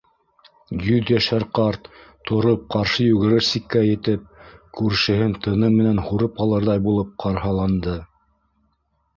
Йөҙйәшәр ҡарт тороп ҡаршы йүгерер сиккә етеп, күршеһен тыны менән һурып алырҙай булып ҡарһаланды.